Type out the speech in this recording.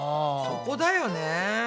そこだよね。